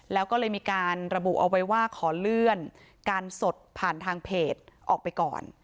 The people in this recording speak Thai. แล้วก็เลยมีการระบุเอาไว้ว่าขอเลื่อนการสดผ่านทางเพจออกไปก่อน